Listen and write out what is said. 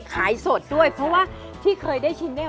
ขายสดด้วยเพราะว่าที่เคยได้ชินแล้ว